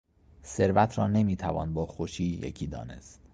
ثروت را نمیتوان با خوشی یکی دانست.